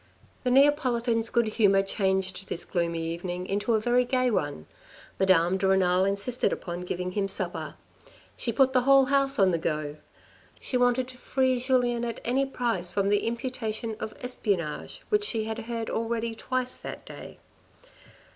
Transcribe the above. The Neapolitan's good humour changed this gloomy even ing into a very gay one. Madame de Renal insisted upon giving him supper. She put the whole house on the go. She wanted to free Julien at any price from the imputation of espionage which she had heard already twice that day.